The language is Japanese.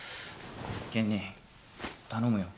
健兄頼むよ。